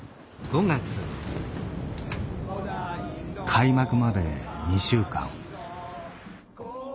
開幕まで２週間。